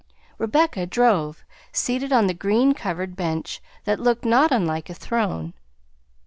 Rebecca drove, seated on a green covered bench that looked not unlike a throne.